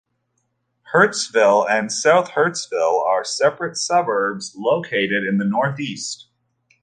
Hurstville and South Hurstville are separate suburbs located to the northeast.